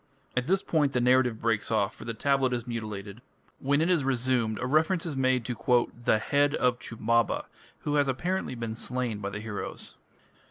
At this point the narrative breaks off, for the tablet is mutilated. When it is resumed a reference is made to "the head of Chumbaba", who has apparently been slain by the heroes.